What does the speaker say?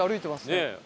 ねえ。